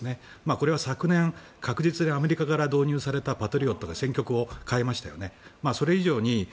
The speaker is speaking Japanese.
これは昨年、核実にアメリカから導入されたパトリオットが戦局を変えましたよね。